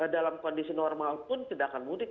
dalam kondisi normal pun tidak akan mudik